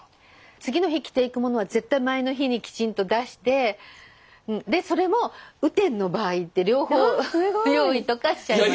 次の日着ていくものは絶対前の日にきちんと出してでそれも雨天の場合って両方用意とかしちゃいますね。